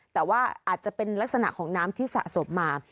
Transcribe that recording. แต่ว่าอาจจะเป็นลักษณะของน้ำที่สะสมมา